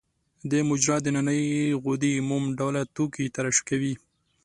د مجرا د نني غدې موم ډوله توکي ترشح کوي.